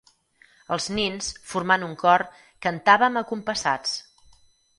Els nins, formant un cor, cantàvem acompassats.